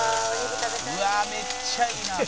めっちゃいいな」